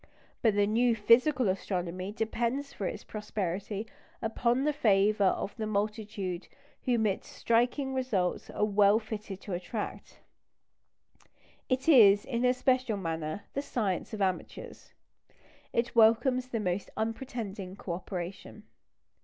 But the new physical astronomy depends for its prosperity upon the favour of the multitude whom its striking results are well fitted to attract. It is, in a special manner, the science of amateurs. It welcomes the most unpretending co operation.